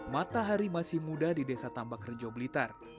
matahari masih muda di desa tambak rejo blitar